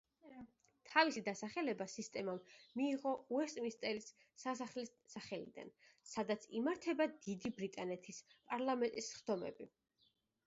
თავისი დასახელება სისტემამ მიიღო უესტმინსტერის სასახლის სახელიდან, სადაც იმართება დიდი ბრიტანეთის პარლამენტის სხდომები.